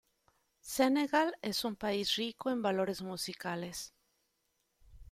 Senegal, es un país rico en valores musicales.